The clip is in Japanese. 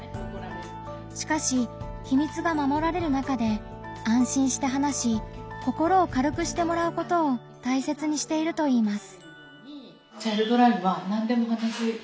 しかし秘密がまもられる中で安心して話し心を軽くしてもらうことを大切にしているといいます。